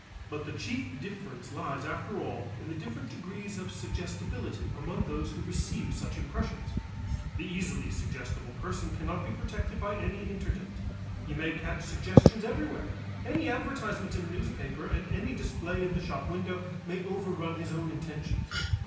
But the chief difference lies after all in the different degrees of suggestibility among those who receive such impressions. The easily suggestible person cannot be protected by any interdict; he may catch suggestions everywhere, any advertisement in the newspaper and any display in the shop window may overrun his own intentions.